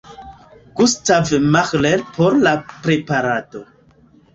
Gustav Mahler por la preparado.